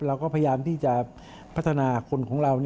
เราก็พยายามที่จะพัฒนาคนของเรา